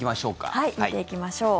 はい、見ていきましょう。